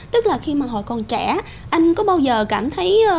tức là khi mà họ còn trẻ anh có bao giờ cảm thấy